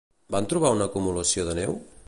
Van trobar una acumulació de neu?